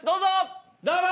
どうも！